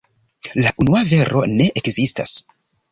La unua vero ne ekzistas.